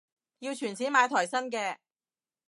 要儲錢買台新嘅